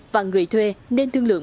và người thuê nên thương lượng